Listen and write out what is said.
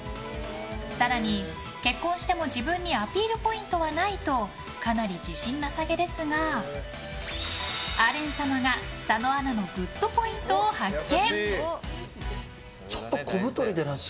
更に、結婚しても自分にアピールポイントはないとかなり自信なさげですがアレン様が佐野アナのグッドポイントを発見。